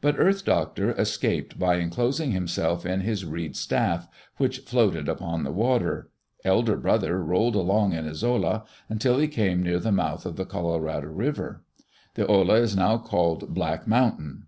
But Earth Doctor escaped by enclosing himself in his reed staff, which floated upon the water. Elder Brother rolled along in his olla until he came near the mouth of the Colorado River. The olla is now called Black Mountain.